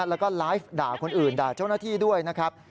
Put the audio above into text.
แล้วก็ไลฟ์ด่าคนอื่นด่าเจ้าหน้าที่ด้วยนะครับ